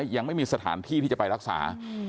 ยังไม่มีสถานที่ที่จะไปรักษา